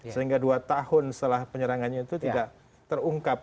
sehingga dua tahun setelah penyerangannya itu tidak terungkap